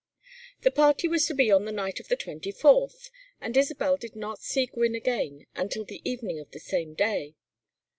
The party was to be on the night of the 24th, and Isabel did not see Gwynne again until the evening of the same day.